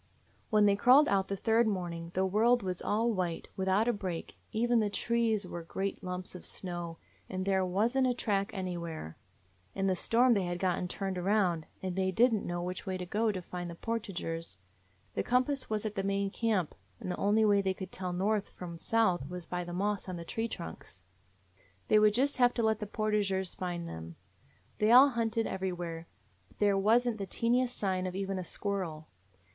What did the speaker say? "When they crawled out the third morning the world was all white, without a break ; even the trees were great lumps of snow, and there was n't a track anywhere. In the storm they had gotten turned around, and they did n't know which way to go to find the portageurs. The compass was at the main camp, and the only way they could tell north from south was by the moss on the tree trunks. They would just have to let the portageurs find them. They all hunted everywhere, but there was n't the teeniest sign of even a squirrel.